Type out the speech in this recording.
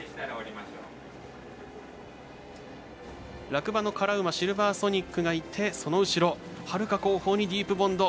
落馬、シルヴァーソニックがいてその後ろはるか後方にディープボンド。